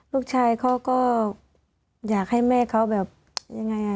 ลูกชายเขาก็อยากให้แม่เขาแบบยังไง